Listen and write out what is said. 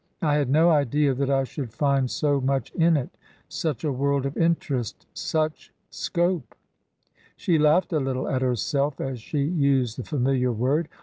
I had no idea that I should find so much in it, such a world of interest — such — scope /" She laughed a little at herself as she used the familiar word.